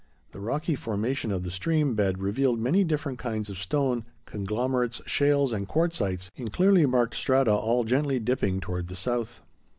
The rocky formation of the stream bed revealed many different kinds of stone, conglomerates, shales, and quartzites, in clearly marked strata all gently dipping toward the south.